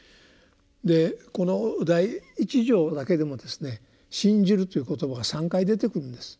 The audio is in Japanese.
この第一条だけでもですね「信じる」という言葉が３回出てくるんです。